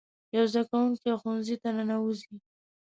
یو زده کوونکی ښوونځي ته ننوځي.